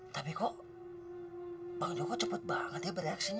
tapi kok bang joko cepet banget ya bereaksinya